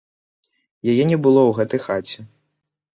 Яе не было ў гэтай хаце.